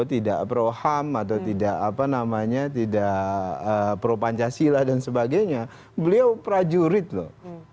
tidak pro ham atau tidak apa namanya tidak pro pancasila dan sebagainya beliau prajurit loh